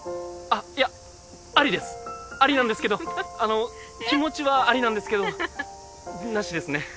あっいやありですありなんですけどあの気持ちはありなんですけどなしですね